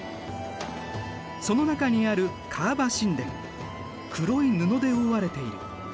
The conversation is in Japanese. その中にある黒い布で覆われている。